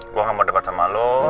gue gak mau debat sama lo